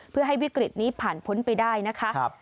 เพื่อให้วิกฤตนี้ผ่านพ้นไปได้นะคะ